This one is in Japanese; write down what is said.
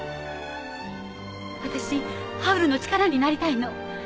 私ハウルの力になりたいの。